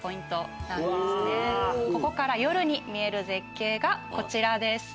ここから夜に見える絶景がこちらです。